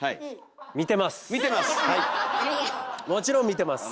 「見てます」！